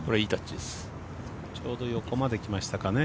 ちょうど横まで来ましたかね。